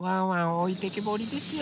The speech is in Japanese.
おいてけぼりですよ。